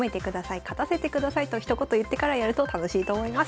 勝たせてくださいとひと言言ってからやると楽しいと思います。